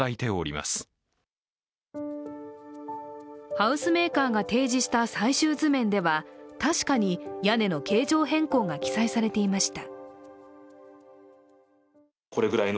ハウスメーカーが提示した最終図面では、確かに屋根の形状変更が記載されていました。